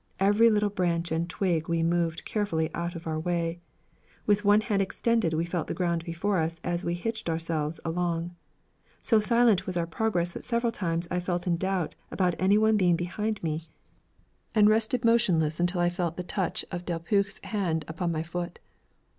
Every little branch and twig we moved carefully out of our way; with one hand extended we felt of the ground before us as we hitched ourselves along. So silent was our progress that several times I felt in doubt about any one being behind me and rested motionless until I felt the touch of Delpeuch's hand upon my foot.